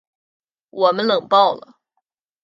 我们冷爆了